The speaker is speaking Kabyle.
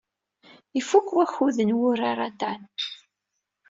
Ifuk wakud n wurar a Dan.